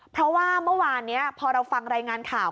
เพราะว่าเมื่อวานนี้พอเราฟังรายงานข่าว